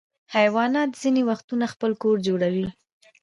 حیوانات ځینې وختونه خپل کور جوړوي.